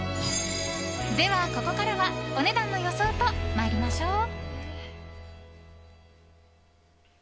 では、ここからはお値段の予想と参りましょう。